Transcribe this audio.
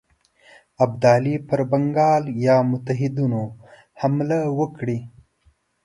ابدالي پر بنګال او یا متحدینو حمله وکړي.